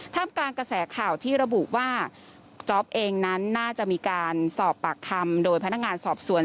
กลางกระแสข่าวที่ระบุว่าจ๊อปเองนั้นน่าจะมีการสอบปากคำโดยพนักงานสอบสวน